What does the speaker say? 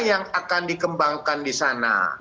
yang akan dikembangkan di sana